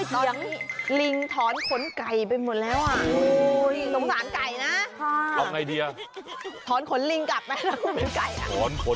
เออเขาไม่เตียง